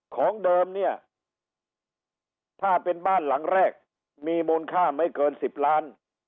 ของเดิมเนี่ยถ้าเป็นบ้านหลังแรกมีมูลค่าไม่เกิน๑๐ล้าน